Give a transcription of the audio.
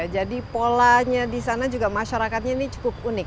jadi polanya di sana juga masyarakatnya ini cukup unik